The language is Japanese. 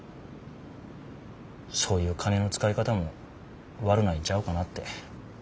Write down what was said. そういう金の使い方も悪ないんちゃうかなって。